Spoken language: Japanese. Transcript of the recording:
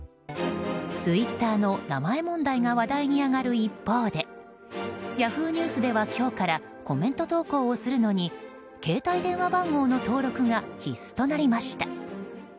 ツイッターの名前問題が話題に上がる一方でＹａｈｏｏ！ニュースでは今日からコメント投稿をするのに携帯電話番号の登録が必須となりました。